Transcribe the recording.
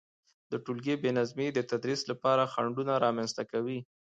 د تولګي بي نظمي د تدريس لپاره خنډونه رامنځته کوي،